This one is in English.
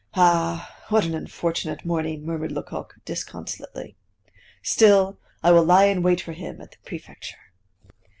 "Ah! what an unfortunate morning," murmured Lecoq, disconsolately. "Still I will lie in wait for him at the prefecture."